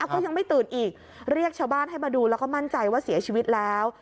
ก็ยังไม่ตื่นอีกเรียกชาวบ้านให้มาดูแล้วก็มั่นใจว่าเสียชีวิตแล้ว